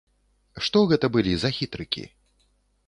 Што гэта былі за хітрыкі?